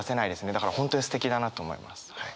だから本当にすてきだなと思います。